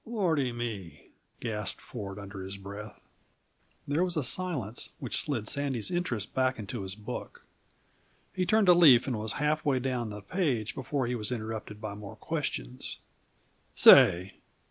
"Lordy me!" gasped Ford under his breath. There was a silence which slid Sandy's interest back into his book. He turned a leaf and was half way down the page before he was interrupted by more questions. "Say!